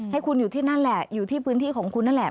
ให้คุณอยู่ที่นั่นแหละอยู่ที่พื้นที่ของคุณนั่นแหละ